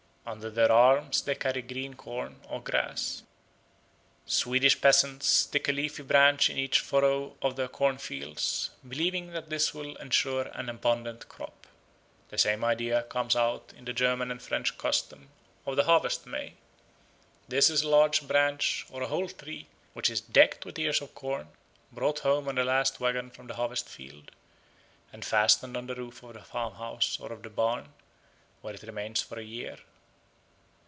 Under their arms they carry green corn or grass. Swedish peasants stick a leafy branch in each furrow of their corn fields, believing that this will ensure an abundant crop. The same idea comes out in the German and French custom of the Harvest May. This is a large branch or a whole tree, which is decked with ears of corn, brought home on the last waggon from the harvest field, and fastened on the roof of the farmhouse or of the barn, where it remains for a year.